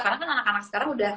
karena kan anak anak sekarang udah